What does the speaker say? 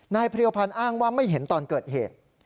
เพรียวพันธ์อ้างว่าไม่เห็นตอนเกิดเหตุ